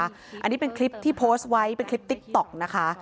อันนี้เป็นคลิปที่โพสต์ไว้เป็นคลิปติ๊กต๊อกนะคะ